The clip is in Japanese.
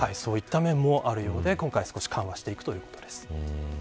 そういった面もあるようで今回少し緩和するということですか。